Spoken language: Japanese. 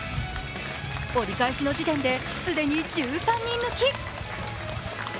折り返しの時点で既に１３人抜き。